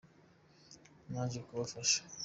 naje kubafasha.